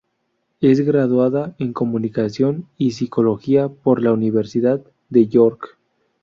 Es graduada en comunicación y psicología por la Universidad de York.